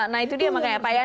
nah itu dia makanya pak ya